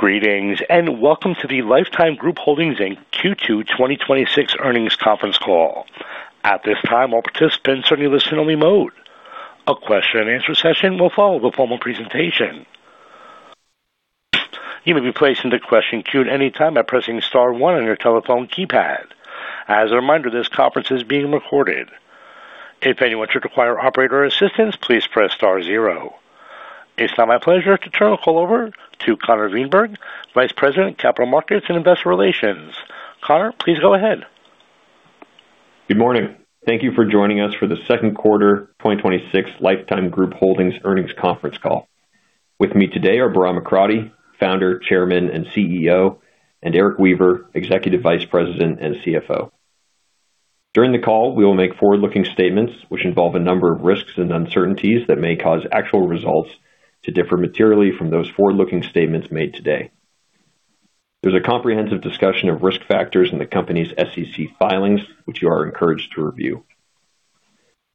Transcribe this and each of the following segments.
Greetings. Welcome to the Life Time Group Holdings, Inc. Q2 2026 earnings conference call. At this time, all participants are in listen-only mode. A question and answer session will follow the formal presentation. You may be placed into question queue at any time by pressing star one on your telephone keypad. As a reminder, this conference is being recorded. If anyone should require operator assistance, please press star zero. It's now my pleasure to turn the call over to Connor Wienberg, Vice President of Capital Markets and Investor Relations. Connor, please go ahead. Good morning. Thank you for joining us for the second quarter 2026 Life Time Group Holdings earnings conference call. With me today are Bahram Akradi, Founder, Chairman, and CEO, and Erik Weaver, Executive Vice President and CFO. During the call, we will make forward-looking statements which involve a number of risks and uncertainties that may cause actual results to differ materially from those forward-looking statements made today. There's a comprehensive discussion of risk factors in the company's SEC filings, which you are encouraged to review.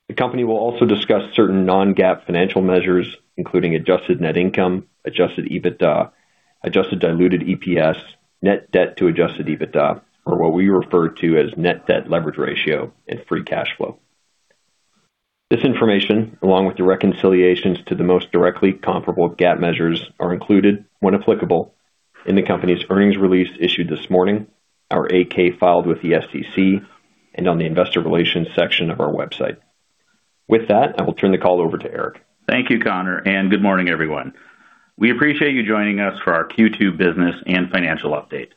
The company will also discuss certain non-GAAP financial measures, including adjusted net income, adjusted EBITDA, adjusted diluted EPS, net debt to adjusted EBITDA, or what we refer to as net debt leverage ratio and free cash flow. This information, along with the reconciliations to the most directly comparable GAAP measures, are included, when applicable, in the company's earnings release issued this morning, our 8-K filed with the SEC and on the investor relations section of our website. With that, I will turn the call over to Erik. Thank you, Connor. Good morning, everyone. We appreciate you joining us for our Q2 business and financial update.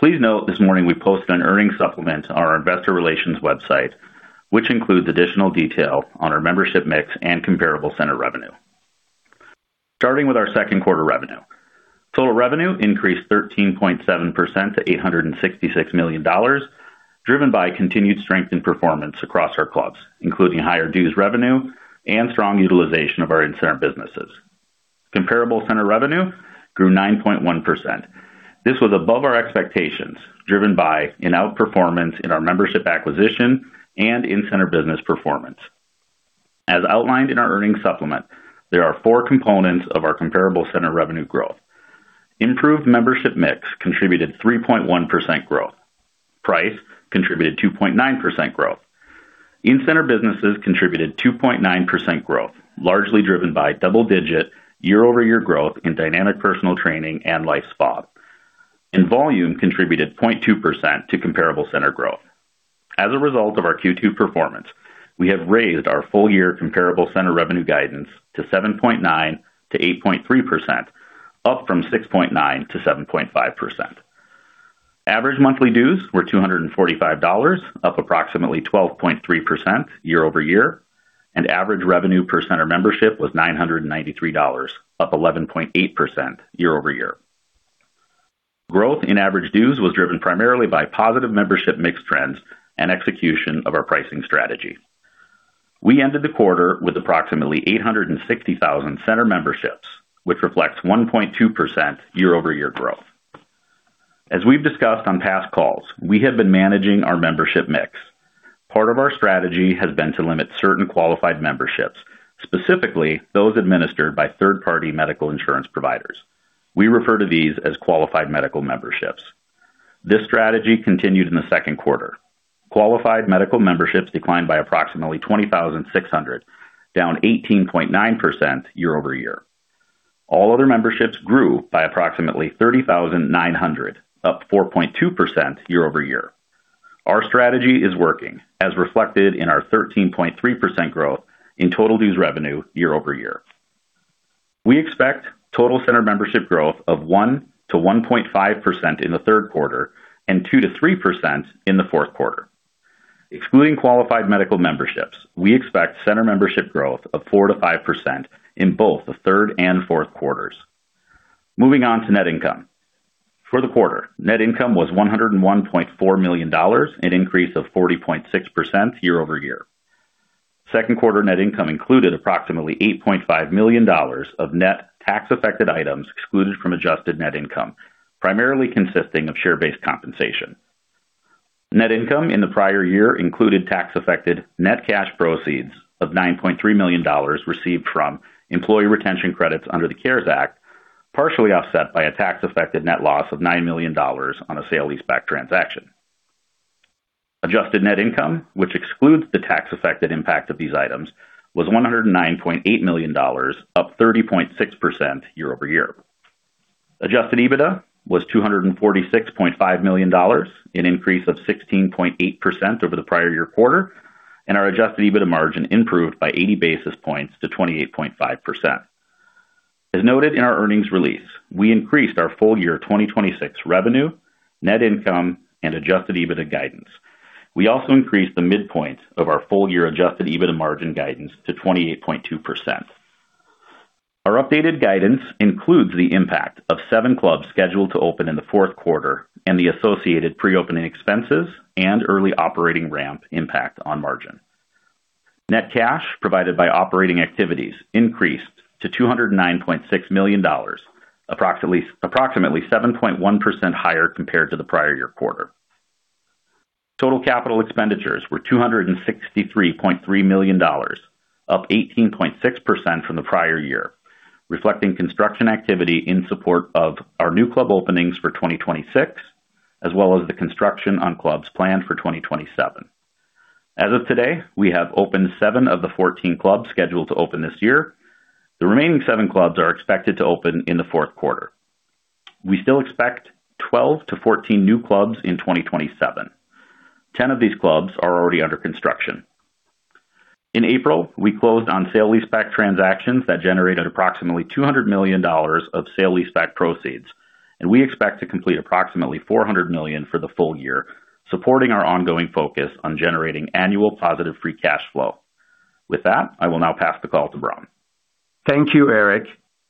Please note this morning we posted an earnings supplement on our investor relations website, which includes additional detail on our membership mix and comparable center revenue. Starting with our second quarter revenue. Total revenue increased 13.7% to $866 million, driven by continued strength in performance across our clubs, including higher dues revenue and strong utilization of our in-center businesses. Comparable center revenue grew 9.1%. This was above our expectations, driven by an outperformance in our membership acquisition and in-center business performance. As outlined in our earnings supplement, there are four components of our comparable center revenue growth. Improved membership mix contributed 3.1% growth. Price contributed 2.9% growth. In-center businesses contributed 2.9% growth, largely driven by double-digit year-over-year growth in Dynamic Personal Training and LifeSpa. Volume contributed 0.2% to comparable center growth. As a result of our Q2 performance, we have raised our full-year comparable center revenue guidance to 7.9%-8.3%, up from 6.9%-7.5%. Average monthly dues were $245, up approximately 12.3% year-over-year, and average revenue per center membership was $993, up 11.8% year-over-year. Growth in average dues was driven primarily by positive membership mix trends and execution of our pricing strategy. We ended the quarter with approximately 860,000 center memberships, which reflects 1.2% year-over-year growth. As we've discussed on past calls, we have been managing our membership mix. Part of our strategy has been to limit certain qualified memberships, specifically those administered by third-party medical insurance providers. We refer to these as qualified medical memberships. This strategy continued in the second quarter. Qualified medical memberships declined by approximately 20,600, down 18.9% year-over-year. All other memberships grew by approximately 30,900, up 4.2% year-over-year. Our strategy is working, as reflected in our 13.3% growth in total dues revenue year-over-year. We expect total center membership growth of 1%-1.5% in the third quarter and 2%-3% in the fourth quarter. Excluding qualified medical memberships, we expect center membership growth of 4%-5% in both the third and fourth quarters. Moving on to net income. For the quarter, net income was $101.4 million, an increase of 40.6% year-over-year. Second quarter net income included approximately $8.5 million of net tax-affected items excluded from adjusted net income, primarily consisting of share-based compensation. Net income in the prior year included tax-affected net cash proceeds of $9.3 million received from employee retention credits under the CARES Act, partially offset by a tax-affected net loss of $9 million on a sale-leaseback transaction. Adjusted net income, which excludes the tax effect and impact of these items, was $109.8 million, up 30.6% year-over-year. Adjusted EBITDA was $246.5 million, an increase of 16.8% over the prior year quarter, and our Adjusted EBITDA margin improved by 80 basis points to 28.5%. As noted in our earnings release, we increased our full-year 2026 revenue, net income, and Adjusted EBITDA guidance. We also increased the midpoint of our full-year Adjusted EBITDA margin guidance to 28.2%. Our updated guidance includes the impact of seven clubs scheduled to open in the fourth quarter and the associated pre-opening expenses and early operating ramp impact on margin. Net cash provided by operating activities increased to $209.6 million, approximately 7.1% higher compared to the prior year quarter. Total capital expenditures were $263.3 million, up 18.6% from the prior year, reflecting construction activity in support of our new club openings for 2026, as well as the construction on clubs planned for 2027. As of today, we have opened seven of the 14 clubs scheduled to open this year. The remaining seven clubs are expected to open in the fourth quarter. We still expect 12-14 new clubs in 2027. 10 of these clubs are already under construction. In April, we closed on sale-leaseback transactions that generated approximately $200 million of sale-leaseback proceeds, and we expect to complete approximately $400 million for the full-year, supporting our ongoing focus on generating annual positive free cash flow. With that, I will now pass the call to Bahram. Thank you, Erik.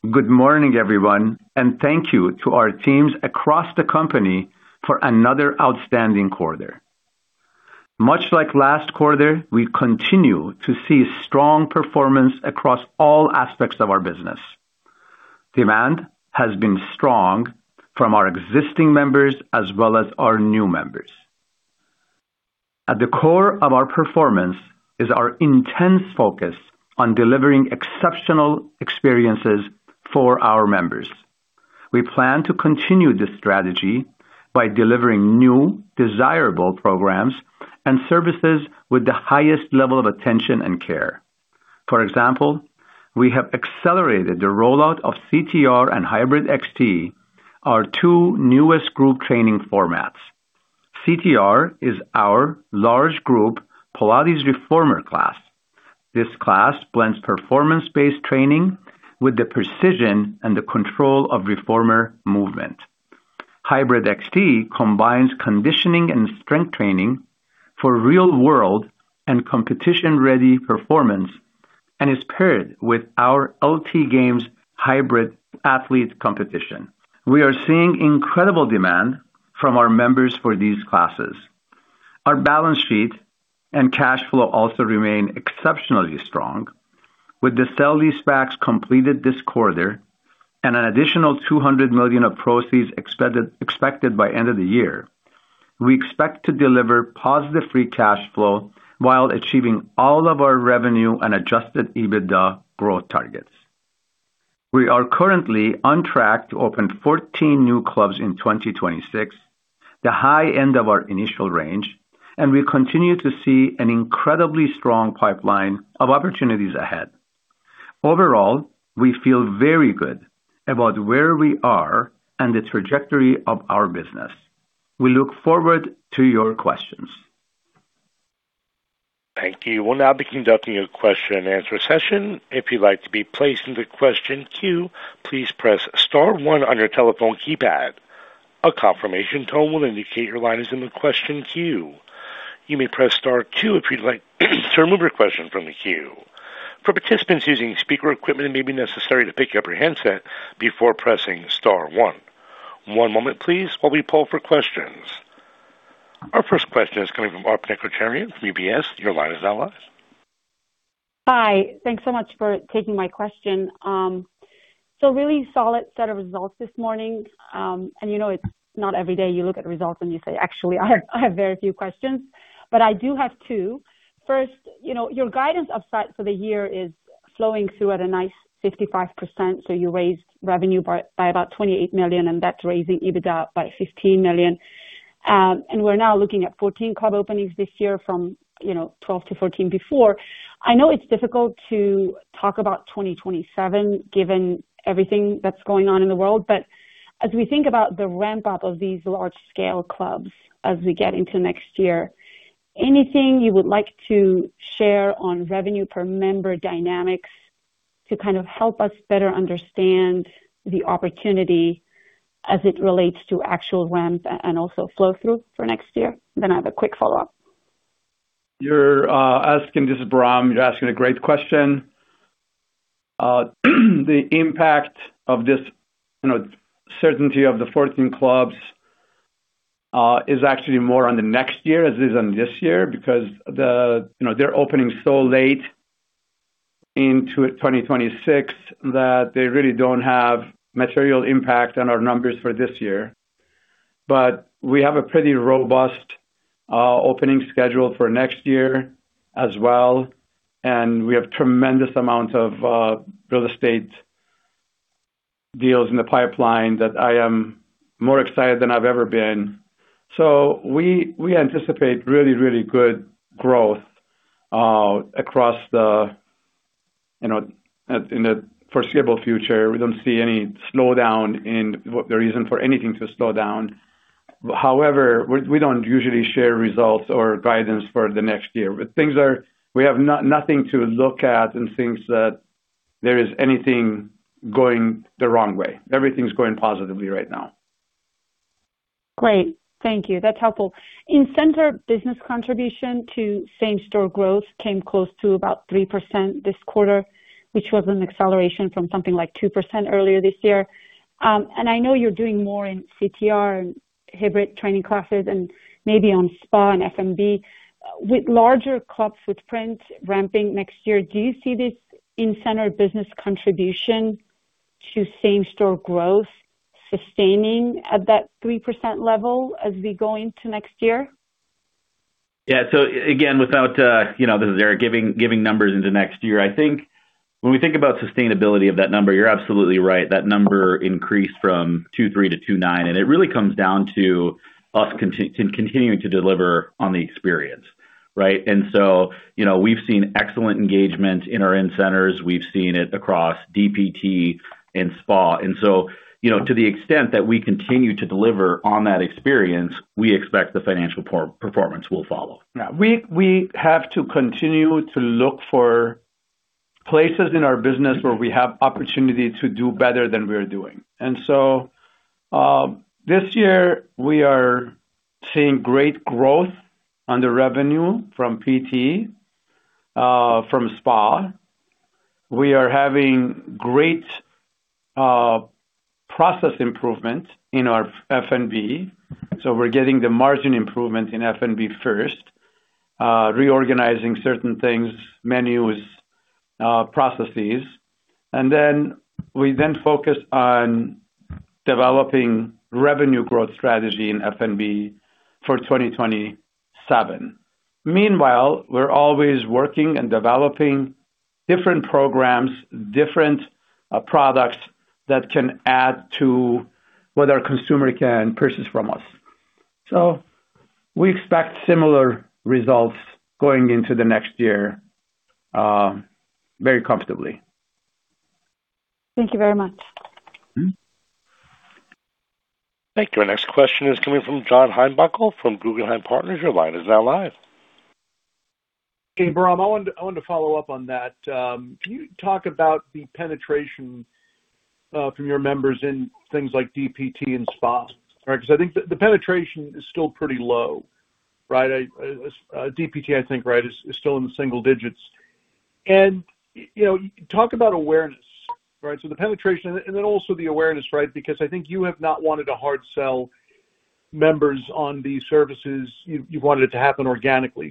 Good morning, everyone, and thank you to our teams across the company for another outstanding quarter. Much like last quarter, we continue to see strong performance across all aspects of our business. Demand has been strong from our existing members as well as our new members. At the core of our performance is our intense focus on delivering exceptional experiences for our members. We plan to continue this strategy by delivering new, desirable programs and services with the highest level of attention and care. For example, we have accelerated the rollout of CTR and HYBRID XT, our two newest group training formats. CTR is our large group Pilates reformer class. This class blends performance-based training with the precision and the control of reformer movement. HYBRID XT combines conditioning and strength training for real-world and competition-ready performance and is paired with our LT Games Hybrid Athlete Competition. We are seeing incredible demand from our members for these classes. Our balance sheet and cash flow also remain exceptionally strong. With the sale-leasebacks completed this quarter and an additional $200 million of proceeds expected by end of the year, we expect to deliver positive free cash flow while achieving all of our revenue and adjusted EBITDA growth targets. We are currently on track to open 14 new clubs in 2026, the high end of our initial range, and we continue to see an incredibly strong pipeline of opportunities ahead. Overall, we feel very good about where we are and the trajectory of our business. We look forward to your questions. Thank you. We'll now be conducting a question and answer session. If you'd like to be placed in the question queue, please press star one on your telephone keypad. A confirmation tone will indicate your line is in the question queue. You may press star two if you'd like to remove your question from the queue. For participants using speaker equipment, it may be necessary to pick up your handset before pressing star one. One moment please while we poll for questions. Our first question is coming from Arpita Chatterjee from UBS. Your line is now unmuted. Hi. Thanks so much for taking my question. Really solid set of results this morning. It's not every day you look at results and you say, "Actually, I have very few questions," but I do have two. First, your guidance upside for the year is flowing through at a nice 55%. You raised revenue by about $28 million, and that's raising EBITDA by $15 million. We're now looking at 14 club openings this year from 12 to 14 before. I know it's difficult to talk about 2027 given everything that's going on in the world, but as we think about the ramp-up of these large-scale clubs as we get into next year, anything you would like to share on revenue per member dynamics to kind of help us better understand the opportunity as it relates to actual ramp and also flow-through for next year? I have a quick follow-up. This is Bahram. You're asking a great question. The impact of this certainty of the 14 clubs is actually more on the next year as is on this year because they're opening so late into 2026 that they really don't have material impact on our numbers for this year. We have a pretty robust opening schedule for next year as well, and we have tremendous amount of real estate deals in the pipeline that I am more excited than I've ever been. We anticipate really, really good growth in the foreseeable future. We don't see any slowdown in the reason for anything to slow down. However, we don't usually share results or guidance for the next year. We have nothing to look at and things that there is anything going the wrong way. Everything's going positively right now. Great. Thank you. That's helpful. In-center business contribution to same-store growth came close to about 3% this quarter, which was an acceleration from something like 2% earlier this year. I know you're doing more in CTR and hybrid training classes and maybe on spa and F&B. With larger club footprint ramping next year, do you see this in-center business contribution to same-store growth sustaining at that 3% level as we go into next year? Yeah. Again, without giving numbers into next year, I think when we think about sustainability of that number, you're absolutely right. That number increased from 2.3 to 2.9, and it really comes down to us continuing to deliver on the experience. Right? We've seen excellent engagement in our in centers. We've seen it across DPT and spa. To the extent that we continue to deliver on that experience, we expect the financial performance will follow. We have to continue to look for places in our business where we have opportunity to do better than we're doing. This year we are seeing great growth on the revenue from PT, from spa. We are having great process improvement in our F&B, so we're getting the margin improvement in F&B first, reorganizing certain things, menus, processes. We then focus on developing revenue growth strategy in F&B for 2027. Meanwhile, we're always working and developing different programs, different products that can add to what our consumer can purchase from us. We expect similar results going into the next year, very comfortably. Thank you very much. Thank you. Our next question is coming from John Heinbockel from Guggenheim Partners. Your line is now live. Hey, Bahram, I wanted to follow up on that. Can you talk about the penetration from your members in things like DPT and spa? Right. Because I think the penetration is still pretty low, right? DPT, I think, right, is still in the single digits. Talk about awareness, right? The penetration and then also the awareness, right? Because I think you have not wanted to hard sell members on these services. You wanted it to happen organically.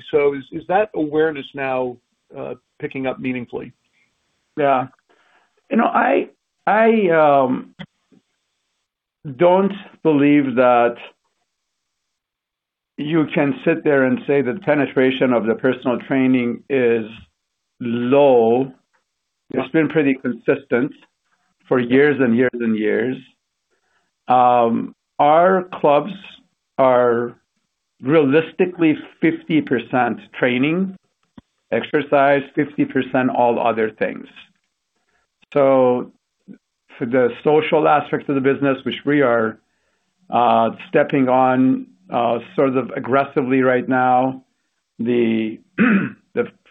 Is that awareness now picking up meaningfully? Yeah. I don't believe that you can sit there and say the penetration of the personal training is low. It's been pretty consistent for years and years and years. Our clubs are realistically 50% training, exercise, 50% all other things. For the social aspects of the business, which we are stepping on sort of aggressively right now, the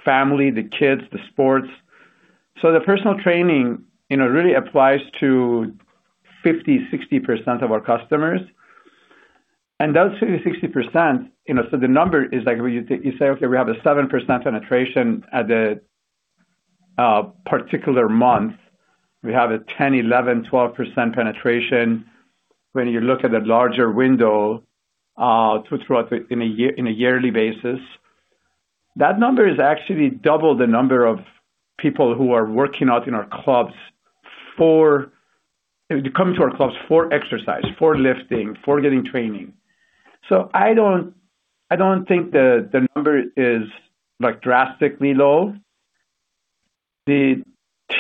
family, the kids, the sports. The personal training really applies to 50%, 60% of our customers. That 50%, 60%, the number is like, you say, okay, we have a 7% penetration at a particular month. We have a 10%, 11%, 12% penetration when you look at the larger window in a yearly basis. That number is actually double the number of people who are working out in our clubs. They come to our clubs for exercise, for lifting, for getting training. I don't think the number is drastically low. The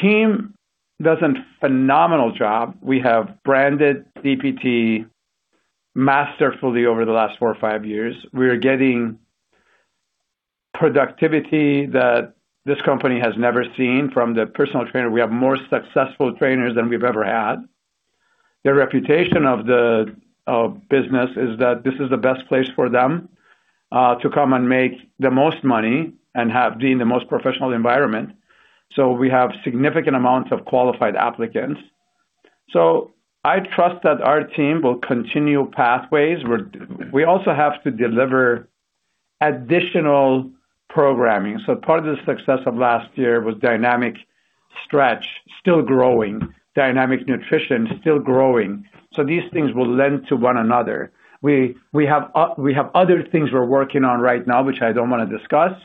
team does a phenomenal job. We have branded DPT masterfully over the last four or five years. We are getting productivity that this company has never seen from the personal trainer. We have more successful trainers than we've ever had. The reputation of business is that this is the best place for them, to come and make the most money and have been the most professional environment. We have significant amounts of qualified applicants. I trust that our team will continue pathways. We also have to deliver additional programming. Part of the success of last year was Dynamic Stretch, still growing, Dynamic Nutrition, still growing. These things will lend to one another. We have other things we're working on right now, which I don't want to discuss,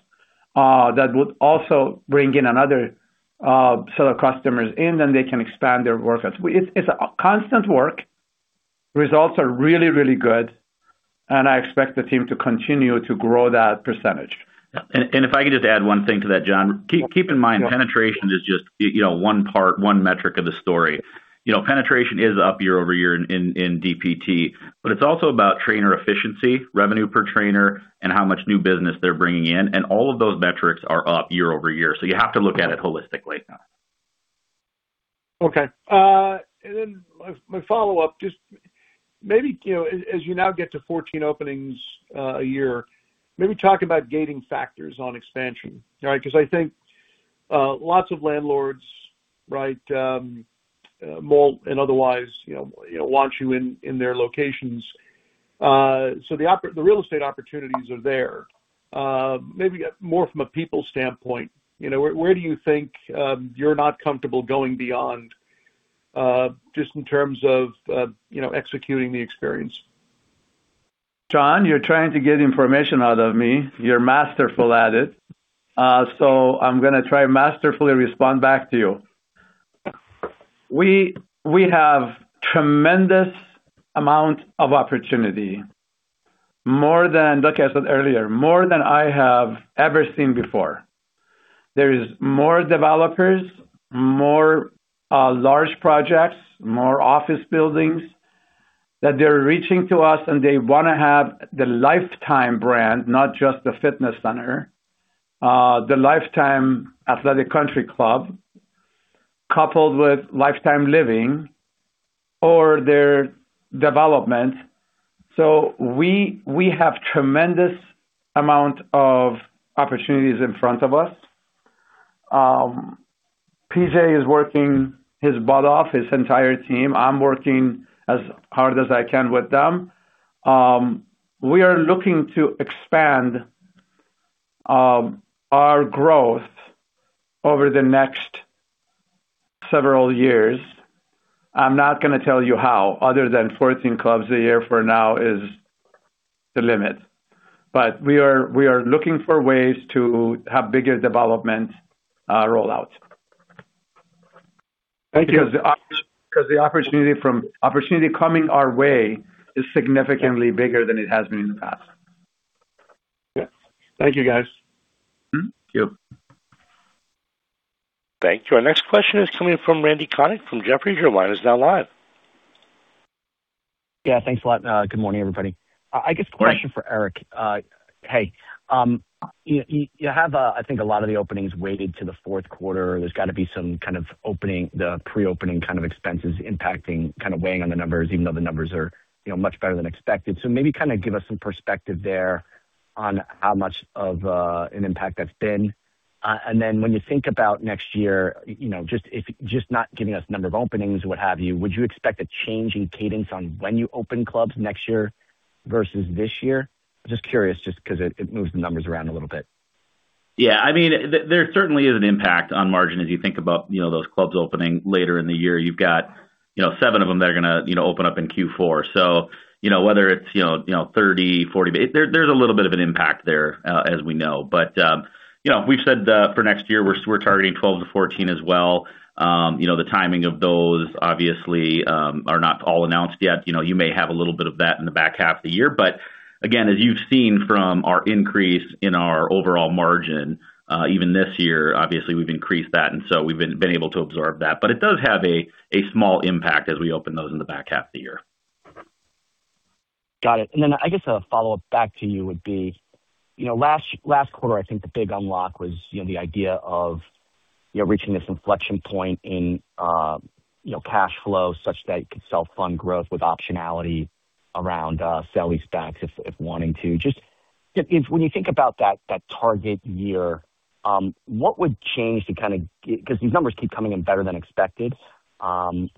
that would also bring in another set of customers in, then they can expand their workouts. It's a constant work. Results are really, really good, and I expect the team to continue to grow that percentage. If I could just add one thing to that, John. Keep in mind, penetration is just one part, one metric of the story. Penetration is up year-over-year in DPT, but it's also about trainer efficiency, revenue per trainer, and how much new business they're bringing in, and all of those metrics are up year-over-year. You have to look at it holistically. My follow-up just maybe, as you now get to 14 openings a year, maybe talk about gating factors on expansion. Right. I think lots of landlords, mall and otherwise, want you in their locations. The real estate opportunities are there. Maybe more from a people standpoint, where do you think you're not comfortable going beyond, just in terms of executing the experience? John, you're trying to get information out of me. You're masterful at it. I'm going to try masterfully respond back to you. We have tremendous amount of opportunity. Like I said earlier, more than I have ever seen before. There are more developers, more large projects, more office buildings, that they're reaching to us, and they want to have the Life Time brand, not just the fitness center, the Life Time Athletic Country Club, coupled with Life Time Living or their development. We have tremendous amount of opportunities in front of us. PJ is working his butt off, his entire team. I'm working as hard as I can with them. We are looking to expand our growth over the next several years. I'm not going to tell you how, other than 14 clubs a year for now is the limit. We are looking for ways to have bigger development rollouts. Thank you. The opportunity coming our way is significantly bigger than it has been in the past. Yeah. Thank you, guys. Mm-hmm. Yep. Thank you. Our next question is coming from Randal Konik from Jefferies. Your line is now live. Thanks a lot. Good morning, everybody. I guess a question for Erik. Hey. You have a lot of the openings weighted to the fourth quarter. There's got to be some opening, the pre-opening expenses impacting, weighing on the numbers, even though the numbers are much better than expected. Maybe give us some perspective there on how much of an impact that's been. When you think about next year, just not giving us number of openings, what have you, would you expect a change in cadence on when you open clubs next year versus this year? Just curious, just because it moves the numbers around a little bit. There certainly is an impact on margin as you think about those clubs opening later in the year. You've got seven of them that are going to open up in Q4. Whether it's 30, 40, there's a little bit of an impact there, as we know. We've said for next year, we're targeting 12 to 14 as well. The timing of those, obviously, are not all announced yet. You may have a little bit of that in the back half of the year. As you've seen from our increase in our overall margin, even this year, obviously, we've increased that, we've been able to absorb that. It does have a small impact as we open those in the back half of the year. Got it. A follow-up back to you would be, last quarter, the big unlock was the idea of reaching this inflection point in cash flow such that you could self-fund growth with optionality around sale-leasebacks if wanting to. When you think about that target year, what would change? Because these numbers keep coming in better than expected. I'm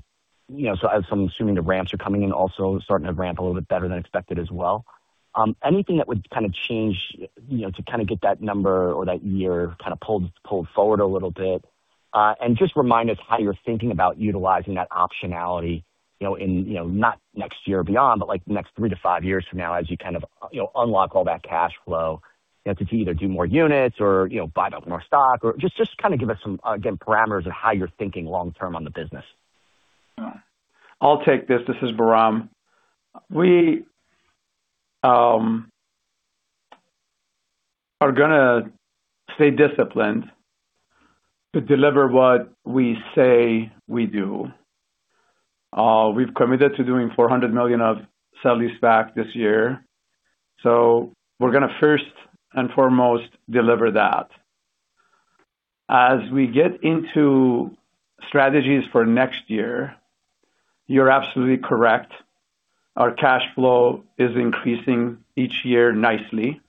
assuming the ramps are coming in also, starting to ramp a little bit better than expected as well. Anything that would change to get that number or that year pulled forward a little bit? Just remind us how you're thinking about utilizing that optionality, in not next year or beyond, but like next three to five years from now as you unlock all that cash flow to either do more units or buy back more stock or just give us some, again, parameters of how you're thinking long-term on the business. I'll take this. This is Bahram. We are gonna stay disciplined to deliver what we say we do. We've committed to doing $400 million of sale-leaseback this year. We're going to first and foremost deliver that. As we get into strategies for next year, you're absolutely correct. Our cash flow is increasing each year nicely.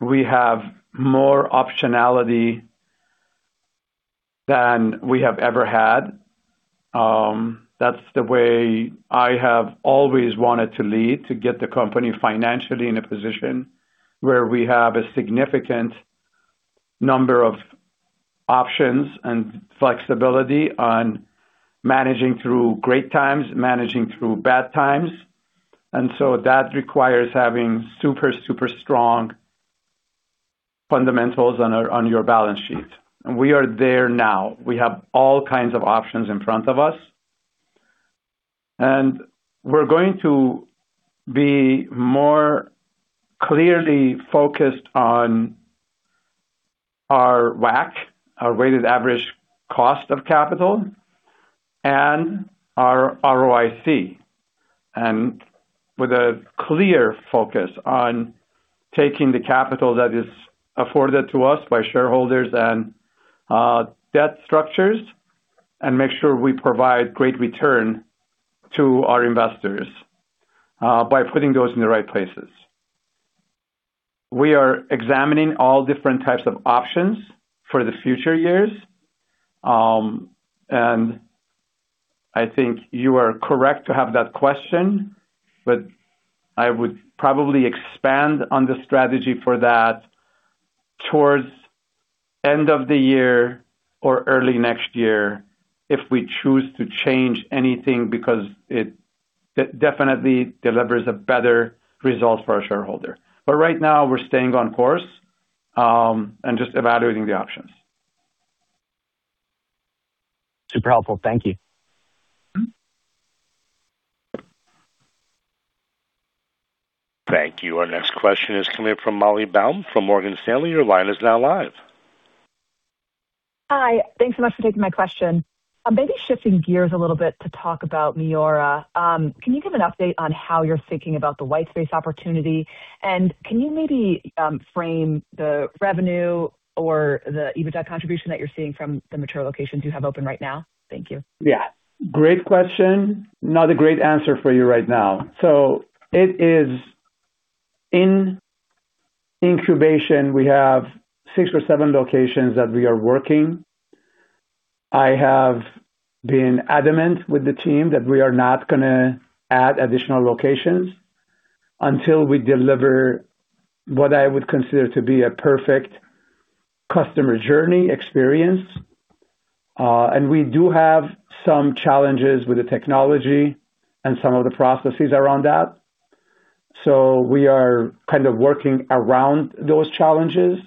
We have more optionality than we have ever had. That's the way I have always wanted to lead, to get the company financially in a position where we have a significant number of options and flexibility on managing through great times, managing through bad times. That requires having super strong fundamentals on your balance sheet. We are there now. We have all kinds of options in front of us, and we're going to be more clearly focused on our WACC, our weighted average cost of capital, and our ROIC, and with a clear focus on taking the capital that is afforded to us by shareholders and debt structures and make sure we provide great return to our investors by putting those in the right places. We are examining all different types of options for the future years. I think you are correct to have that question, but I would probably expand on the strategy for that Towards end of the year or early next year, if we choose to change anything because it definitely delivers a better result for our shareholder. Right now we're staying on course, and just evaluating the options. Super helpful. Thank you. Thank you. Our next question is coming from Molly Baum from Morgan Stanley. Your line is now live. Hi. Thanks so much for taking my question. Maybe shifting gears a little bit to talk about MIORA. Can you give an update on how you're thinking about the white space opportunity? Can you maybe frame the revenue or the EBITDA contribution that you're seeing from the mature locations you have open right now? Thank you. Yeah. Great question. Not a great answer for you right now. It is in incubation. We have six or seven locations that we are working. I have been adamant with the team that we are not going to add additional locations until we deliver what I would consider to be a perfect customer journey experience. We do have some challenges with the technology and some of the processes around that. We are kind of working around those challenges.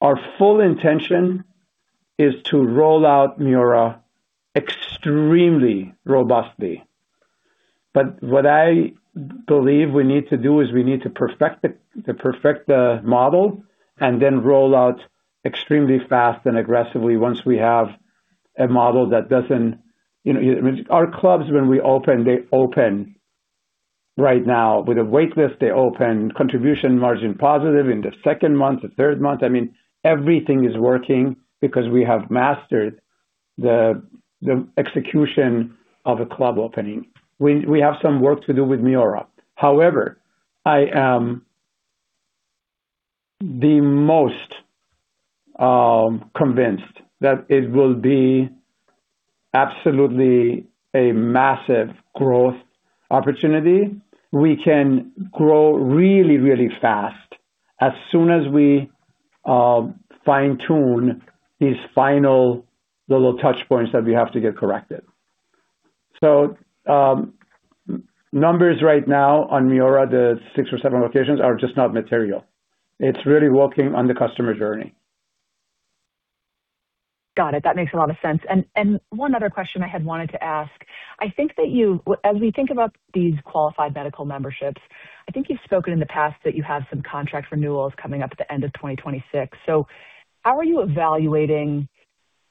Our full intention is to roll out MIORA extremely robustly. What I believe we need to do is we need to perfect the model and then roll out extremely fast and aggressively once we have a model. Our clubs, when we open, they open right now with a wait list. They open contribution margin positive in the second month, the third month. Everything is working because we have mastered the execution of a club opening. We have some work to do with MIORA. However, I am the most convinced that it will be absolutely a massive growth opportunity. We can grow really, really fast as soon as we fine-tune these final little touch points that we have to get corrected. Numbers right now on MIORA, the six or seven locations are just not material. It's really working on the customer journey. Got it. That makes a lot of sense. One other question I had wanted to ask. As we think about these qualified medical memberships, I think you've spoken in the past that you have some contract renewals coming up at the end of 2026. How are you evaluating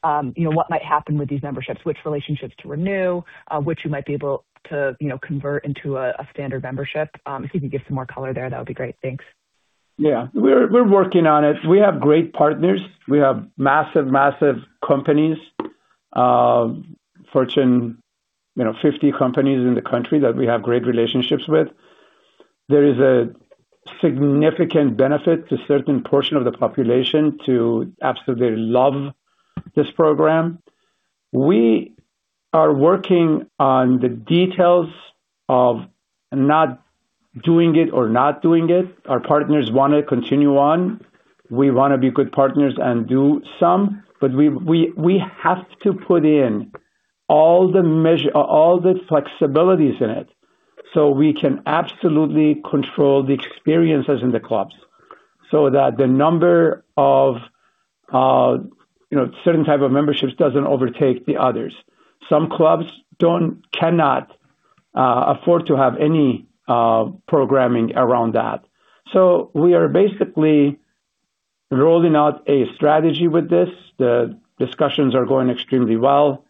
what might happen with these memberships, which relationships to renew, which you might be able to convert into a standard membership? If you could give some more color there, that would be great. Thanks. Yeah. We're working on it. We have great partners. We have massive companies, Fortune 50 companies in the country that we have great relationships with. There is a significant benefit to a certain portion of the population to absolutely love this program. We are working on the details of not doing it or not doing it. Our partners want to continue on. We want to be good partners and do some, but we have to put in all the flexibilities in it so we can absolutely control the experiences in the clubs so that the number of certain type of memberships doesn't overtake the others. Some clubs cannot afford to have any programming around that. We are basically rolling out a strategy with this. The discussions are going extremely well.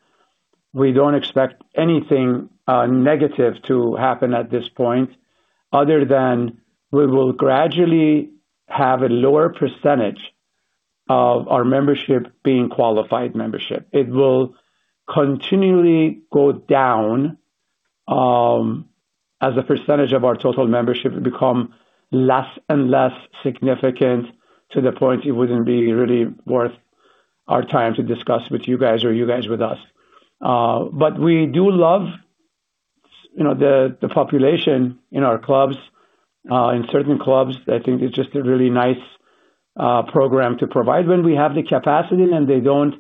We don't expect anything negative to happen at this point other than we will gradually have a lower percentage of our membership being qualified membership. It will continually go down, as a percentage of our total membership become less and less significant to the point it wouldn't be really worth our time to discuss with you guys or you guys with us. We do love the population in our clubs, in certain clubs. I think it's just a really nice program to provide when we have the capacity, and they don't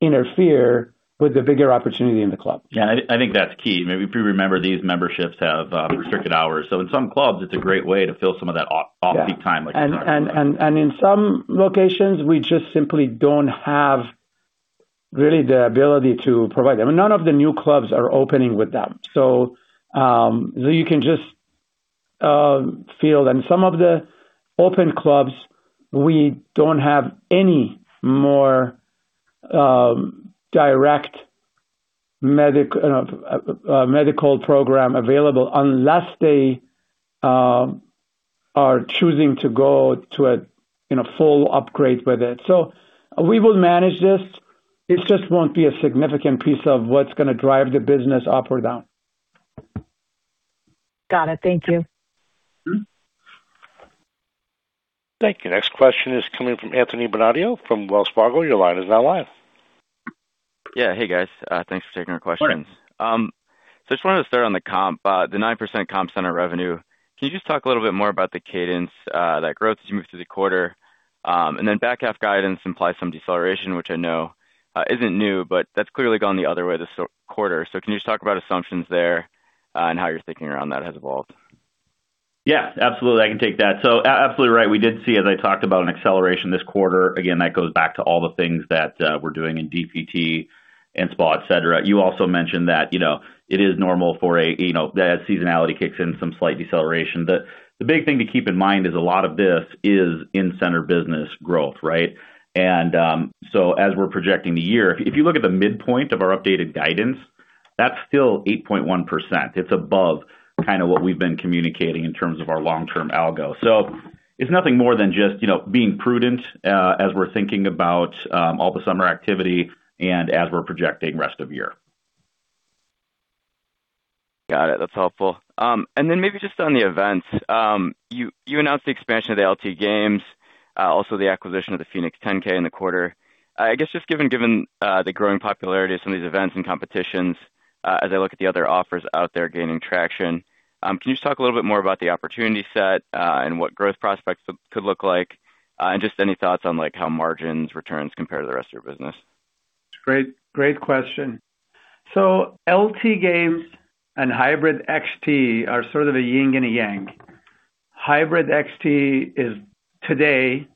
interfere with the bigger opportunity in the club. Yeah, I think that's key. Maybe if you remember, these memberships have restricted hours. In some clubs, it's a great way to fill some of that off-peak time like you're talking about. In some locations, we just simply don't have really the ability to provide them. None of the new clubs are opening with that. You can just feel. In some of the open clubs, we don't have any more direct medical program available unless they are choosing to go to a full upgrade with it. We will manage this. It just won't be a significant piece of what's going to drive the business up or down. Got it. Thank you. Thank you. Next question is coming from Anthony Bonadio from Wells Fargo. Your line is now live. Yeah. Hey guys, thanks for taking our questions. Sure. I just wanted to start on the comp, the 9% comp center revenue. Can you just talk a little bit more about the cadence of that growth as you move through the quarter? Then back half guidance implies some deceleration, which I know isn't new, but that's clearly gone the other way this quarter. Can you just talk about assumptions there and how your thinking around that has evolved? Yeah, absolutely. I can take that. Absolutely right. We did see, as I talked about, an acceleration this quarter. Again, that goes back to all the things that we're doing in DPT and spa, et cetera. You also mentioned that it is normal for, as seasonality kicks in, some slight deceleration. The big thing to keep in mind is a lot of this is in-center business growth, right? As we're projecting the year, if you look at the midpoint of our updated guidance, that's still 8.1%. It's above kind of what we've been communicating in terms of our long-term algo. It's nothing more than just being prudent, as we're thinking about all the summer activity and as we're projecting rest of year. Got it. That's helpful. Then maybe just on the events, you announced the expansion of the LT Games, also the acquisition of the Phoenix 10K in the quarter. I guess, just given the growing popularity of some of these events and competitions, as I look at the other offers out there gaining traction, can you just talk a little bit more about the opportunity set, and what growth prospects could look like? Just any thoughts on how margins returns compare to the rest of your business? Great question. LT Games and HYBRID XT are sort of a yin and a yang. HYBRID XT is today,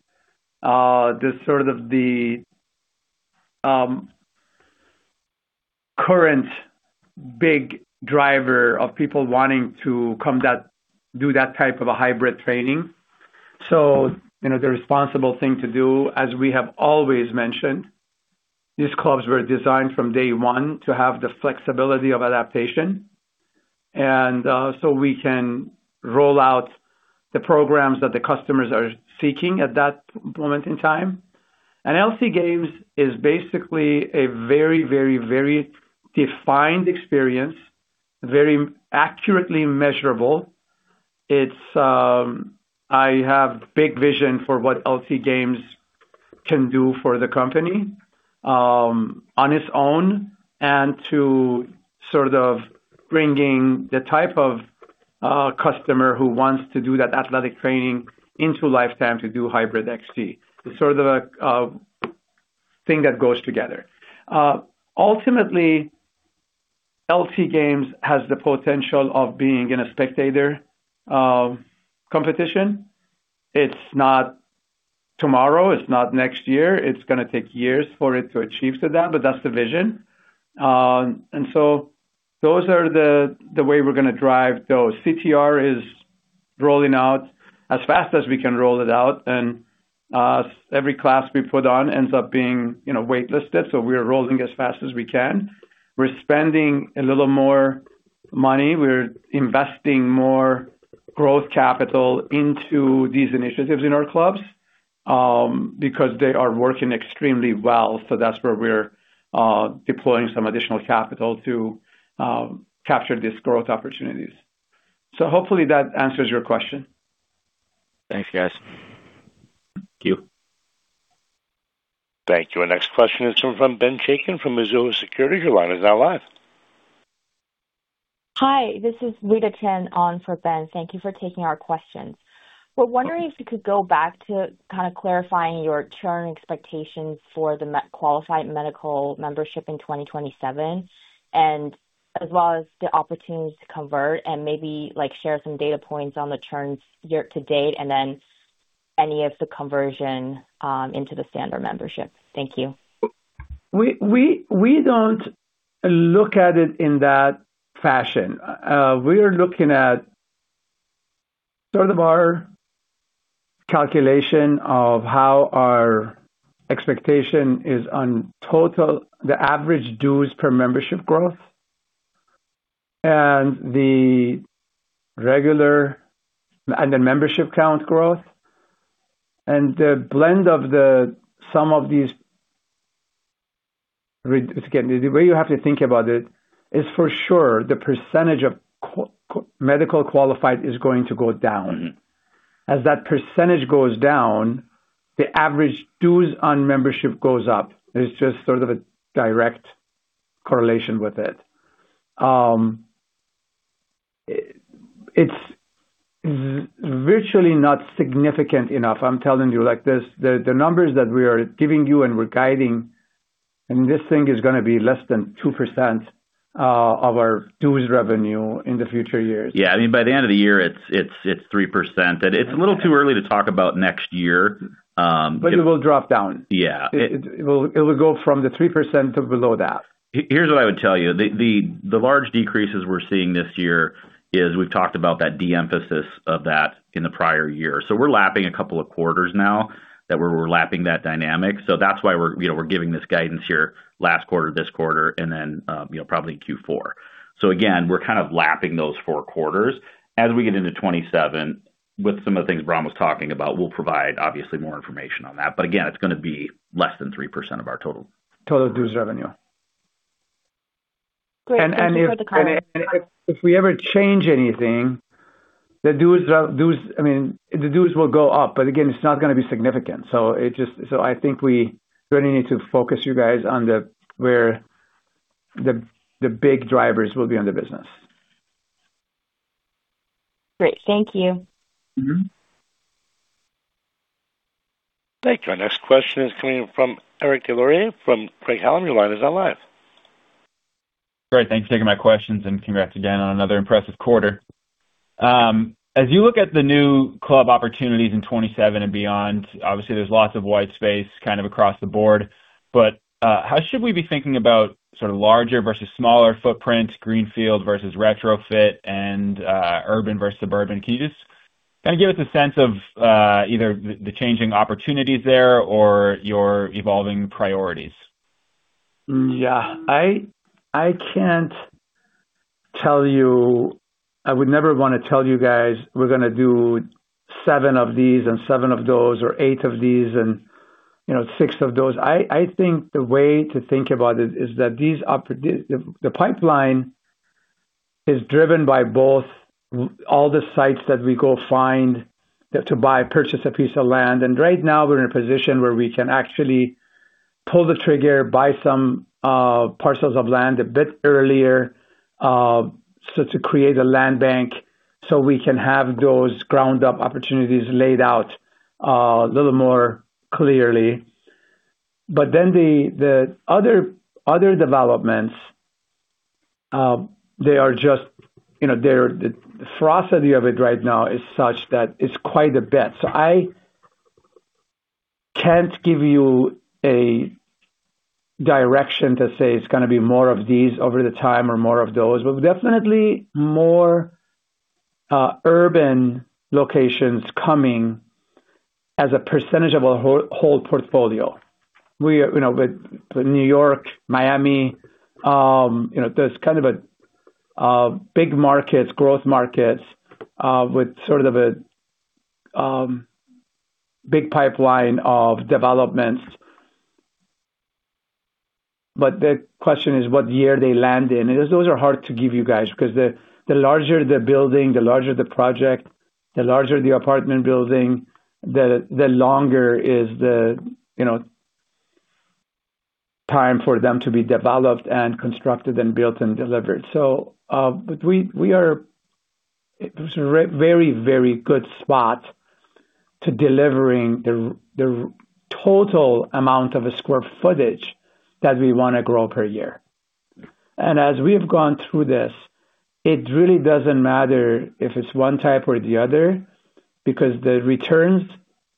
the sort of the current big driver of people wanting to come do that type of a hybrid training. The responsible thing to do, as we have always mentioned, these clubs were designed from day one to have the flexibility of adaptation. We can roll out the programs that the customers are seeking at that moment in time. LT Games is basically a very defined experience, very accurately measurable. I have big vision for what LT Games can do for the company, on its own, and to sort of bringing the type of customer who wants to do that athletic training into Life Time to do HYBRID XT. It's sort of a thing that goes together. Ultimately, LT Games has the potential of being in a spectator competition. It's not tomorrow, it's not next year. It's going to take years for it to achieve to that, but that's the vision. Those are the way we're going to drive those. CTR is rolling out as fast as we can roll it out. Every class we put on ends up being waitlisted, so we are rolling as fast as we can. We're spending a little more money. We're investing more growth capital into these initiatives in our clubs, because they are working extremely well. That's where we're deploying some additional capital to capture these growth opportunities. Hopefully that answers your question. Thanks, guys. Thank you. Thank you. Our next question is from Ben Chaiken from Mizuho Securities. Your line is now live. Hi, this is Lida Chen on for Ben. Thank you for taking our questions. We're wondering if you could go back to kind of clarifying your churn expectations for the qualified medical membership in 2027, and as well as the opportunities to convert and maybe share some data points on the churns year-to-date, and then any of the conversion into the standard membership. Thank you. We don't look at it in that fashion. We are looking at sort of our calculation of how our expectation is on total, the average dues per membership growth, and the membership count growth, and the blend of the sum of these. The way you have to think about it is for sure, the percentage of medical qualified is going to go down. As that percentage goes down, the average dues on membership goes up. There's just sort of a direct correlation with it. It's virtually not significant enough. I'm telling you, the numbers that we are giving you and we're guiding, and this thing is going to be less than 2% of our dues revenue in the future years. Yeah. By the end of the year, it's 3%. It's a little too early to talk about next year. It will drop down. Yeah. It will go from the 3% to below that. Here's what I would tell you. The large decreases we're seeing this year is we've talked about that de-emphasis of that in the prior year. We're lapping a couple of quarters now that we're lapping that dynamic. That's why we're giving this guidance here last quarter, this quarter, and then probably Q4. Again, we're kind of lapping those four quarters. As we get into 2027 with some of the things Bahram was talking about, we'll provide obviously more information on that. Again, it's going to be less than 3% of our total. Total dues revenue. Great. Thank you for the color. If we ever change anything, the dues will go up. Again, it's not going to be significant. I think we really need to focus you guys on where the big drivers will be on the business. Great. Thank you. Thank you. Our next question is coming from Eric Des Lauriers from Craig-Hallum. Your line is now live. Thanks for taking my questions, and congrats again on another impressive quarter. As you look at the new club opportunities in 2027 and beyond, obviously, there's lots of white space kind of across the board. How should we be thinking about sort of larger versus smaller footprint, greenfield versus retrofit, and urban versus suburban? Can you just kind of give us a sense of either the changing opportunities there or your evolving priorities? Yeah. I would never want to tell you guys we're going to do seven of these and seven of those, or eight of these and six of those. I think the way to think about it is that the pipeline is driven by both all the sites that we go find to buy, purchase a piece of land. Right now we're in a position where we can actually pull the trigger, buy some parcels of land a bit earlier, so to create a land bank so we can have those ground-up opportunities laid out a little more clearly. The other developments, the veracity of it right now is such that it's quite a bit. I can't give you a direction to say it's going to be more of these over the time or more of those, but definitely more urban locations coming as a percentage of our whole portfolio. With New York, Miami, those kind of big markets, growth markets, with sort of a big pipeline of developments. The question is what year they land in. Those are hard to give you guys, because the larger the building, the larger the project, the larger the apartment building, the longer is the time for them to be developed and constructed and built and delivered. We are at a very good spot to delivering the total amount of square footage that we want to grow per year. As we've gone through this, it really doesn't matter if it's one type or the other, because the returns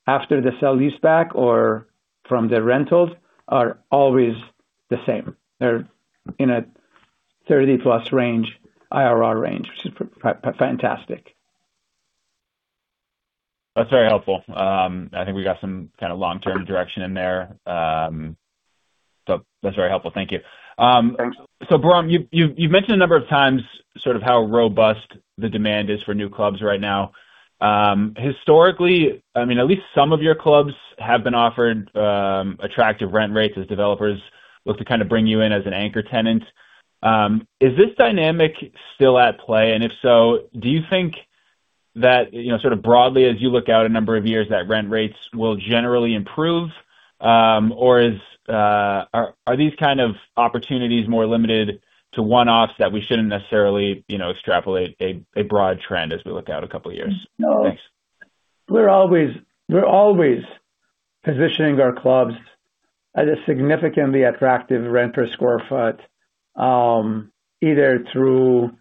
after the sale-leaseback or from the rentals are always the same. They're in a 30-plus IRR range, which is fantastic. That's very helpful. I think we got some kind of long-term direction in there. That's very helpful. Thank you. Thanks. Bahram, you've mentioned a number of times sort of how robust the demand is for new clubs right now. Historically, at least some of your clubs have been offered attractive rent rates as developers look to kind of bring you in as an anchor tenant. Is this dynamic still at play? If so, do you think that sort of broadly, as you look out a number of years, that rent rates will generally improve? Are these kind of opportunities more limited to one-offs that we shouldn't necessarily extrapolate a broad trend as we look out a couple of years? Thanks. No. We're always positioning our clubs at a significantly attractive rent per square foot. Either through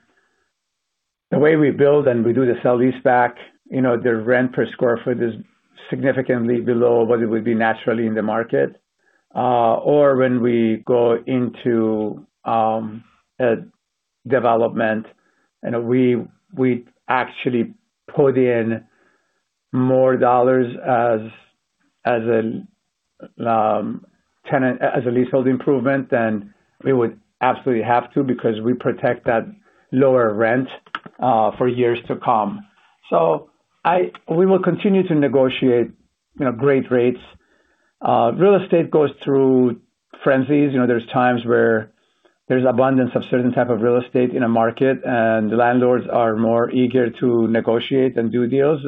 the way we build and we do the sale-leaseback, the rent per square foot is significantly below what it would be naturally in the market. Or when we go into a development, we actually put in more dollars as a leasehold improvement than we would absolutely have to, because we protect that lower rent for years to come. We will continue to negotiate great rates. Real estate goes through frenzies. There's times where there's abundance of certain type of real estate in a market, the landlords are more eager to negotiate and do deals.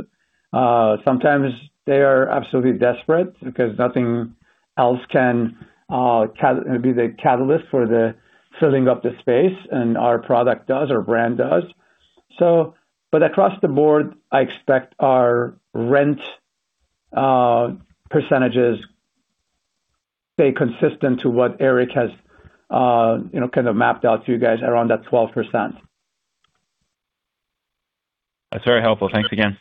Sometimes they are absolutely desperate because nothing else can be the catalyst for the filling up the space, and our product does, our brand does. Across the board, I expect our rent percentages stay consistent to what Erik has kind of mapped out to you guys around that 12%. That's very helpful. Thanks again.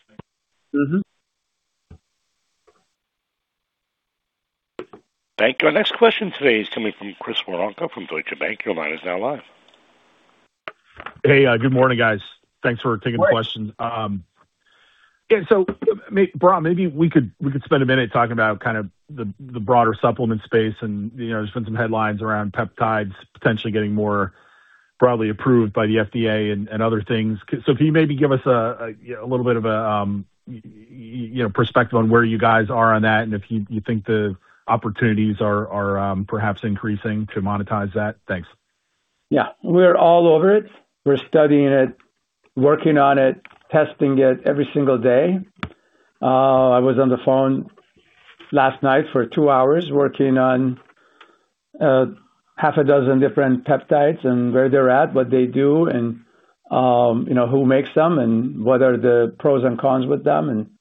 Thank you. Our next question today is coming from Chris Woronka from Deutsche Bank. Your line is now live. Hey. Good morning, guys. Thanks for taking the question. Morning. Yeah. Bahram, maybe we could spend a minute talking about kind of the broader supplement space, there's been some headlines around peptides potentially getting more broadly approved by the FDA and other things. If you maybe give us a little bit of a perspective on where you guys are on that and if you think the opportunities are perhaps increasing to monetize that. Thanks. Yeah, we're all over it. We're studying it, working on it, testing it every single day. I was on the phone last night for two hours working on half a dozen different peptides and where they're at, what they do, and who makes them, and what are the pros and cons with them.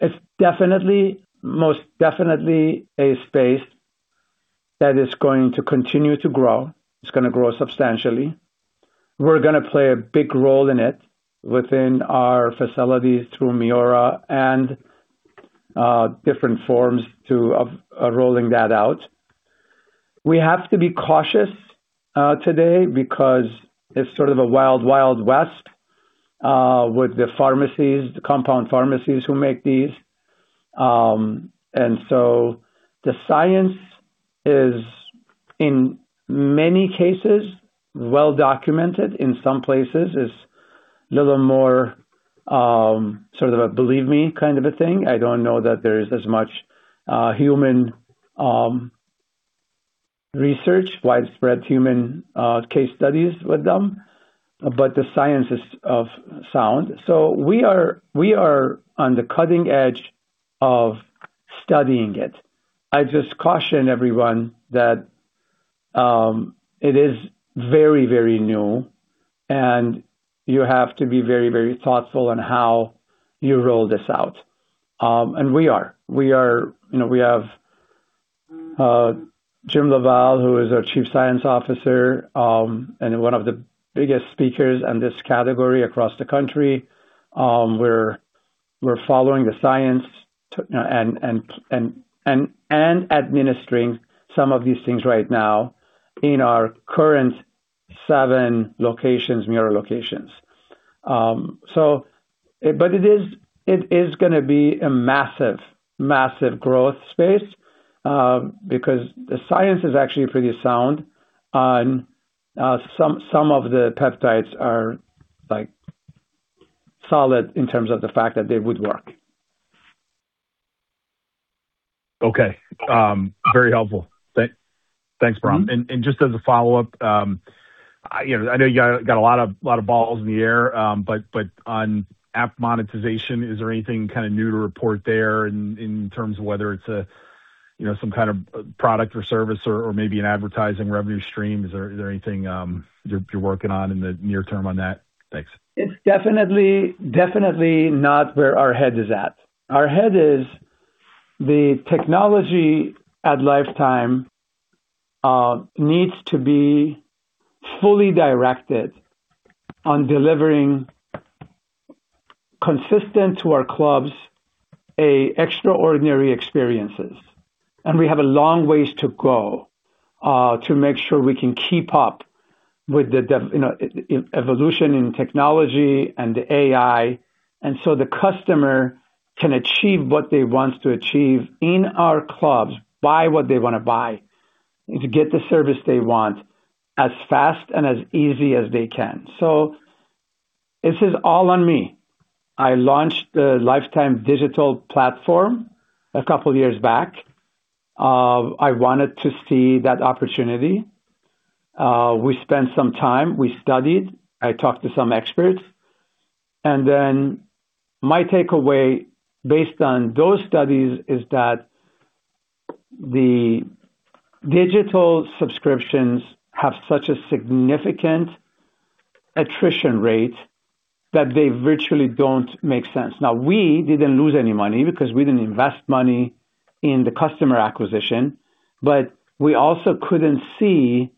It's most definitely a space that is going to continue to grow. It's going to grow substantially. We're going to play a big role in it within our facilities through MIORA and different forms of rolling that out. We have to be cautious today because it's sort of a Wild Wild West with the compound pharmacies who make these. The science is, in many cases, well-documented. In some places, it's a little more sort of a believe me kind of a thing. I don't know that there is as much widespread human case studies with them, the science is sound. We are on the cutting edge of studying it. I just caution everyone that it is very new, and you have to be very thoughtful on how you roll this out. We are. We have James LaValle, who is our Chief Science Officer, and one of the biggest speakers in this category across the country. We're following the science and administering some of these things right now in our current 7 MIORA locations. It is going to be a massive growth space, because the science is actually pretty sound on some of the peptides are solid in terms of the fact that they would work. Okay. Very helpful. Thanks, Bahram. Just as a follow-up, I know you got a lot of balls in the air, but on app monetization, is there anything kind of new to report there in terms of whether it's some kind of product or service or maybe an advertising revenue stream? Is there anything you're working on in the near term on that? Thanks. It's definitely not where our head is at. Our head is the technology at Life Time needs to be fully directed on delivering consistent to our clubs, extraordinary experiences. We have a long ways to go, to make sure we can keep up with the evolution in technology and the AI. The customer can achieve what they want to achieve in our clubs, buy what they want to buy, and to get the service they want as fast and as easy as they can. This is all on me. I launched the Life Time Digital platform a couple of years back. I wanted to see that opportunity. We spent some time, we studied, I talked to some experts. My takeaway based on those studies is that the digital subscriptions have such a significant attrition rate that they virtually don't make sense. We didn't lose any money because we didn't invest money in the customer acquisition, but we also couldn't see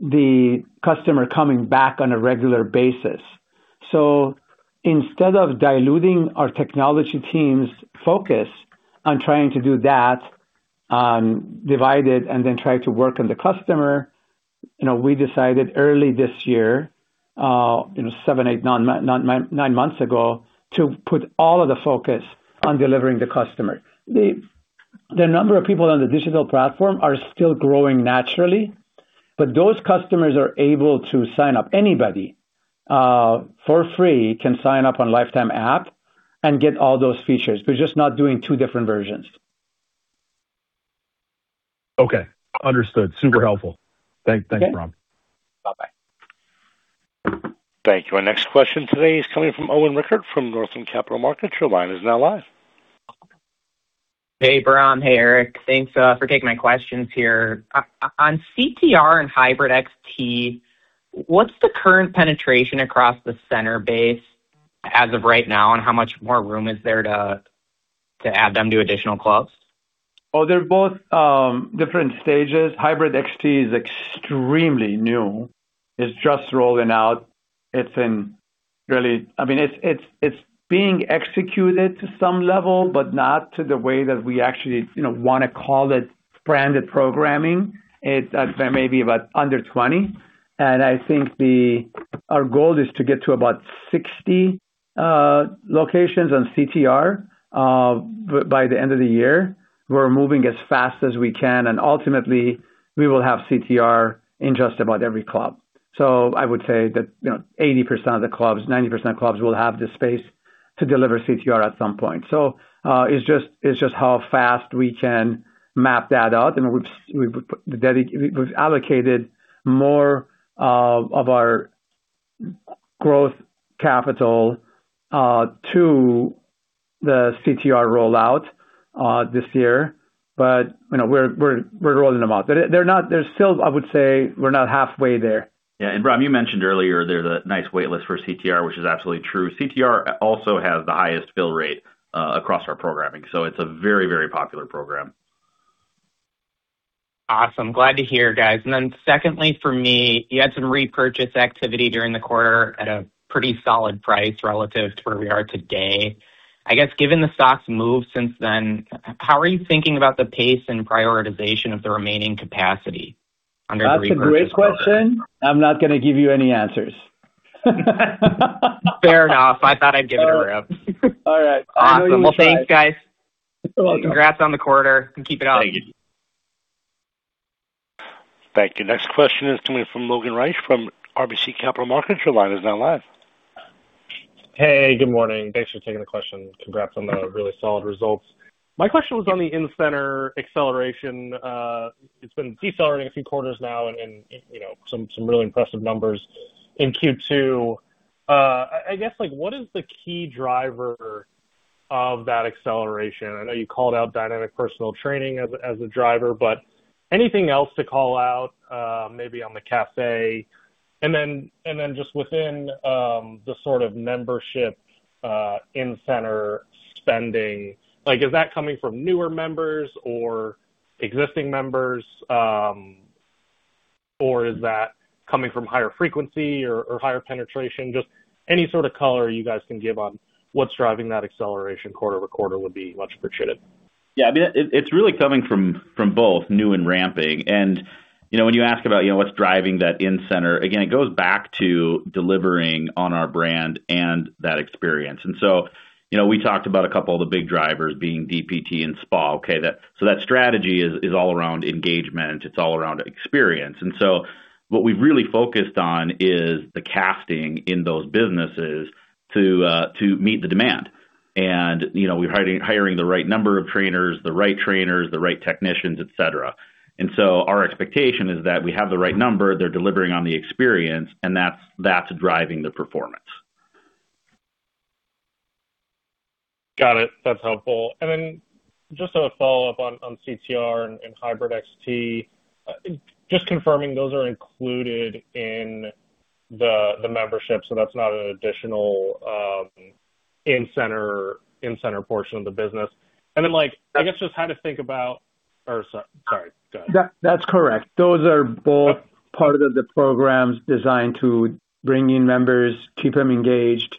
the customer coming back on a regular basis. Instead of diluting our technology team's focus on trying to do that, divide it, and then try to work on the customer, we decided early this year, seven, eight, nine months ago, to put all of the focus on delivering the customer. The number of people on the digital platform are still growing naturally, but those customers are able to sign up. Anybody, for free, can sign up on Life Time app and get all those features. We're just not doing two different versions. Okay. Understood. Super helpful. Thanks, Bahram. Okay. Bye-bye. Thank you. Our next question today is coming from Owen Rickert from Northland Capital Markets. Your line is now live. Hey, Bahram. Hey, Erik. Thanks for taking my questions here. On CTR and HYBRID XT, what's the current penetration across the center base as of right now, and how much more room is there to add them to additional clubs? They're both different stages. HYBRID XT is extremely new. It's just rolling out. It's being executed to some level, not to the way that we actually want to call it branded programming. It's maybe about under 20. I think our goal is to get to about 60 locations on CTR by the end of the year. We're moving as fast as we can, ultimately, we will have CTR in just about every club. I would say that 80% of the clubs, 90% of clubs will have the space to deliver CTR at some point. It's just how fast we can map that out. We've allocated more of our growth capital to the CTR rollout this year. We're rolling them out. There's still, I would say, we're not halfway there. Yeah. Bahram, you mentioned earlier there's a nice wait list for CTR, which is absolutely true. CTR also has the highest bill rate across our programming, so it's a very popular program. Awesome. Glad to hear, guys. Then secondly, for me, you had some repurchase activity during the quarter at a pretty solid price relative to where we are today. I guess given the stock's move since then, how are you thinking about the pace and prioritization of the remaining capacity under the repurchase program? That's a great question. I'm not going to give you any answers. Fair enough. I thought I'd give it a rip. All right. Awesome. Well, thanks, guys. You're welcome. Congrats on the quarter and keep it up. Thank you. Thank you. Next question is coming from Logan Reich from RBC Capital Markets. Your line is now live. Good morning. Thanks for taking the question. Congrats on the really solid results. My question was on the in-center acceleration. It's been decelerating a few quarters now and some really impressive numbers in Q2. I guess, what is the key driver of that acceleration? I know you called out Dynamic Personal Training as a driver, but anything else to call out, maybe on the cafe? Just within the sort of membership in-center spending, is that coming from newer members or existing members? Is that coming from higher frequency or higher penetration? Just any sort of color you guys can give on what's driving that acceleration quarter-over-quarter would be much appreciated. Yeah. It's really coming from both new and ramping. When you ask about what's driving that in-center, again, it goes back to delivering on our brand and that experience. We talked about a couple of the big drivers being DPT and LifeSpa. That strategy is all around engagement. It's all around experience. What we've really focused on is the casting in those businesses to meet the demand. We're hiring the right number of trainers, the right trainers, the right technicians, et cetera. Our expectation is that we have the right number, they're delivering on the experience, and that's driving the performance. Got it. That's helpful. Just a follow-up on CTR and HYBRID XT. Just confirming, those are included in the membership, so that's not an additional in-center portion of the business. I guess just or sorry. Go ahead. That's correct. Those are both part of the programs designed to bring in members, keep them engaged,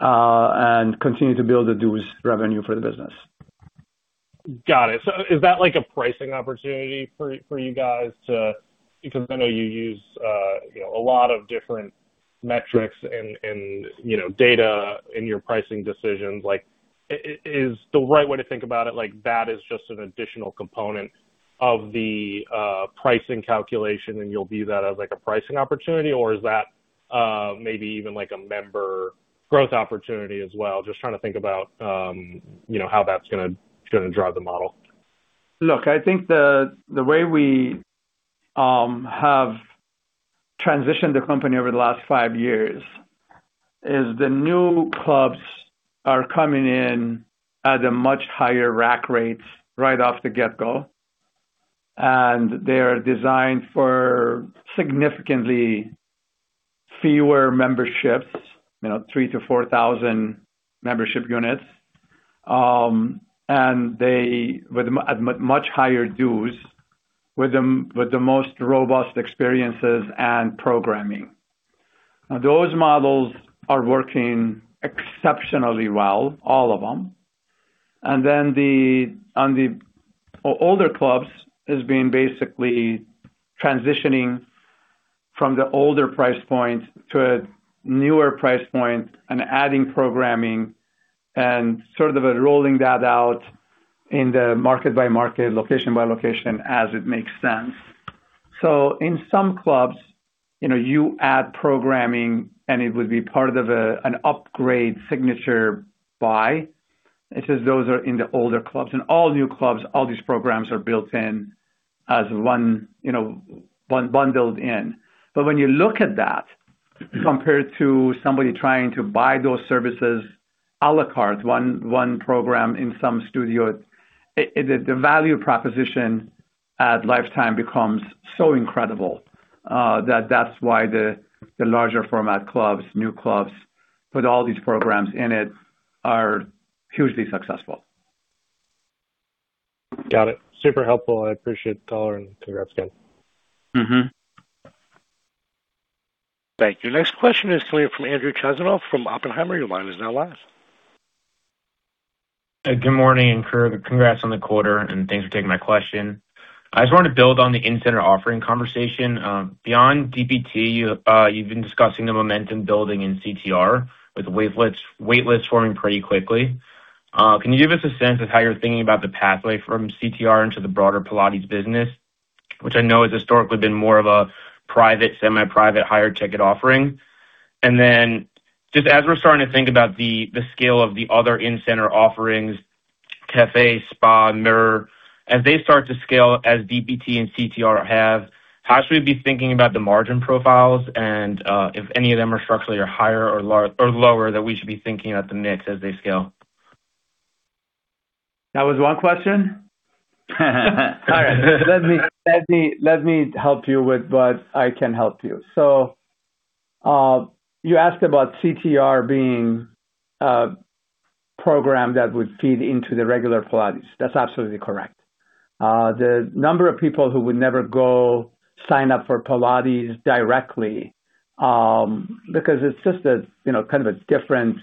and continue to build the dues revenue for the business. Got it. Is that like a pricing opportunity for you guys to? Because I know you use a lot of different metrics and data in your pricing decisions. Is the right way to think about it like that is just an additional component of the pricing calculation, and you'll view that as like a pricing opportunity, or is that maybe even like a member growth opportunity as well? Just trying to think about how that's going to drive the model. Look, I think the way we have transitioned the company over the last five years is the new clubs are coming in at a much higher rack rate right off the get-go, and they are designed for significantly fewer memberships, 3,000 to 4,000 membership units, and at much higher dues with the most robust experiences and programming. Those models are working exceptionally well, all of them. On the older clubs, is being basically transitioning from the older price point to a newer price point and adding programming and sort of rolling that out in the market-by-market, location-by-location as it makes sense. In some clubs, you add programming, and it would be part of an upgrade signature buy. It's just those are in the older clubs. In all new clubs, all these programs are built in as one bundled in. When you look at that compared to somebody trying to buy those services à la carte, one program in some studio, the value proposition at Life Time becomes so incredible. That's why the larger format clubs, new clubs, with all these programs in it are hugely successful. Got it. Super helpful. I appreciate the color, and congrats again. Thank you. Next question is coming from Andrew Chasanoff from Oppenheimer. Your line is now live. Good morning. Congrats on the quarter, and thanks for taking my question. I just wanted to build on the in-center offering conversation. Beyond DPT, you've been discussing the momentum building in CTR with wait lists forming pretty quickly. Can you give us a sense of how you're thinking about the pathway from CTR into the broader Pilates business? Which I know has historically been more of a private, semi-private, higher ticket offering. Then just as we're starting to think about the scale of the other in-center offerings, cafe, spa, MIORA, as they start to scale as DPT and CTR have, how should we be thinking about the margin profiles and, if any of them are structurally higher or lower that we should be thinking at the mix as they scale? That was one question? Let me help you with what I can help you. You asked about CTR being a program that would feed into the regular Pilates. That's absolutely correct. The number of people who would never go sign up for Pilates directly, because it's just kind of a different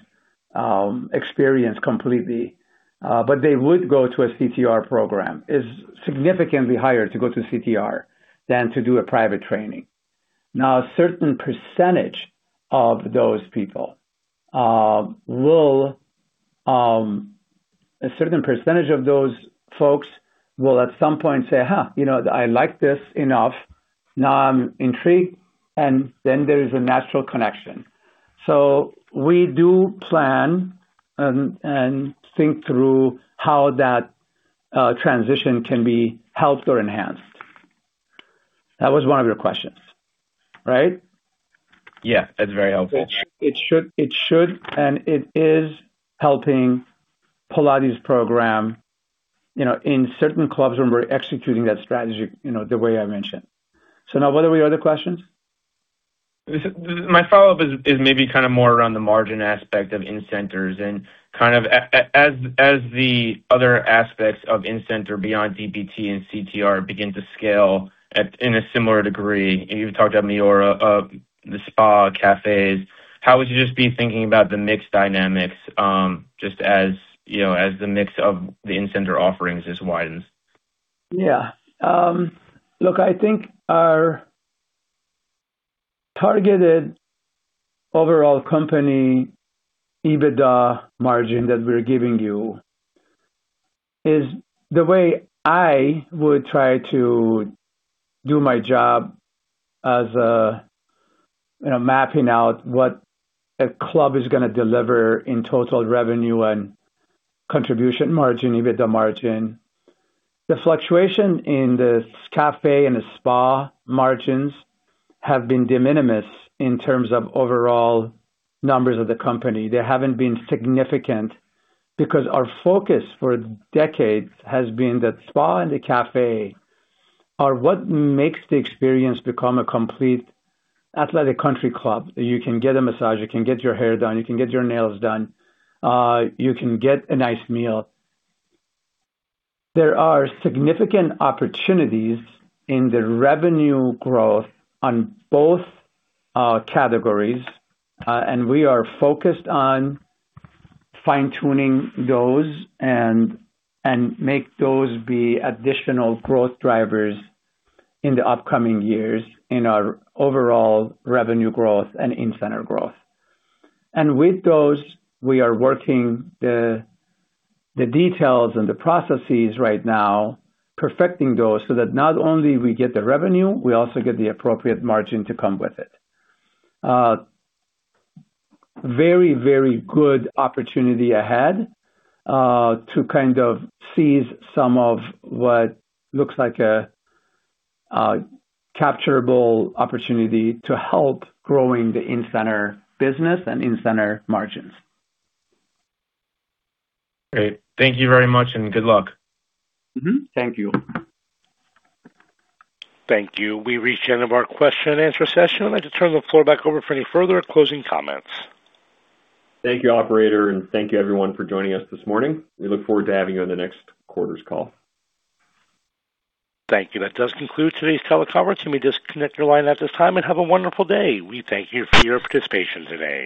experience completely, but they would go to a CTR program, is significantly higher to go to CTR than to do a private training. Now, a certain percentage of those folks will at some point say, "Huh, I like this enough. Now I'm intrigued." Then there is a natural connection. We do plan and think through how that transition can be helped or enhanced. That was one of your questions, right? Yeah. That's very helpful. It should and it is helping Pilates program in certain clubs when we're executing that strategy the way I mentioned. Now, what are your other questions? My follow-up is maybe kind of more around the margin aspect of in-centers and as the other aspects of in-center beyond DPT and CTR begin to scale in a similar degree, you've talked about MIORA, the LifeSpa, cafes. How would you just be thinking about the mix dynamics, just as the mix of the in-center offerings is widened? Look, I think our targeted overall company adjusted EBITDA margin that we're giving you is the way I would try to do my job as mapping out what a club is going to deliver in total revenue and contribution margin, adjusted EBITDA margin. The fluctuation in the cafe and the LifeSpa margins have been de minimis in terms of overall numbers of the company. They haven't been significant because our focus for decades has been that LifeSpa and the cafe are what makes the experience become a complete Life Time Athletic Country Club. You can get a massage, you can get your hair done, you can get your nails done. You can get a nice meal. There are significant opportunities in the revenue growth on both categories, and we are focused on fine-tuning those, and make those be additional growth drivers in the upcoming years in our overall revenue growth and in-center growth. With those, we are working the details and the processes right now, perfecting those so that not only we get the revenue, we also get the appropriate margin to come with it. Very good opportunity ahead, to kind of seize some of what looks like a capturable opportunity to help growing the in-center business and in-center margins. Great. Thank you very much, and good luck. Mm-hmm. Thank you. Thank you. We've reached the end of our question and answer session. I'd like to turn the floor back over for any further closing comments. Thank you, operator, and thank you, everyone, for joining us this morning. We look forward to having you on the next quarter's call. Thank you. That does conclude today's teleconference. You may disconnect your line at this time, and have a wonderful day. We thank you for your participation today.